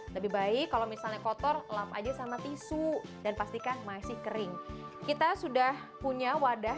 lebih baik kalau misalnya kotor lap aja sama tisu dan pastikan masih kering kita sudah punya wadah